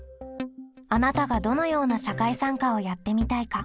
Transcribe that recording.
あなたがどのような社会参加をやってみたいか。